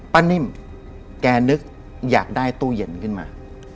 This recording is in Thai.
นิ่มแกนึกอยากได้ตู้เย็นขึ้นมา